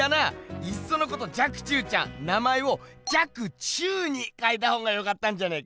いっそのこと若冲ちゃん名前を「若虫」にかえたほうがよかったんじゃねえか？